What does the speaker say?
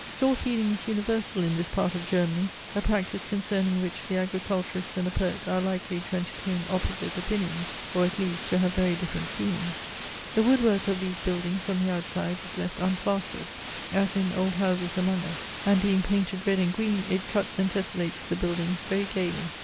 Stall feeding is universal in this part of Germany, a practice concerning which the agriculturist and the poet are likely to entertain opposite opinions or at least, to have very different feelings. The woodwork of these buildings on the outside is left unplastered, as in old houses among us, and, being painted red and green, it cuts and tesselates the buildings very gaily.